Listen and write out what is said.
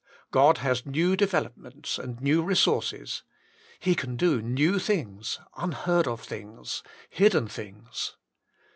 God has new developments and new resources. He can do new things, unheard of things, hidden things.